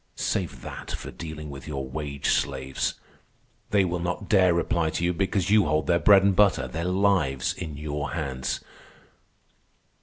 Save that for dealing with your wage slaves. They will not dare reply to you because you hold their bread and butter, their lives, in your hands.